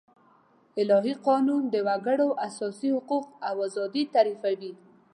الهي قانون د وګړو اساسي حقوق او آزادي تعريفوي.